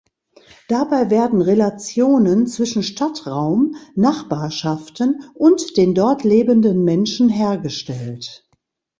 Dabei werden Relationen zwischen Stadtraum, Nachbarschaften und den dort lebenden Menschen hergestellt.